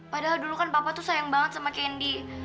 padahal dulu kan papa tuh sayang banget sama candi